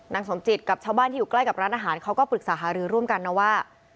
สมจิตกับชาวบ้านที่อยู่ใกล้กับร้านอาหารเขาก็ปรึกษาหารือร่วมกันนะว่า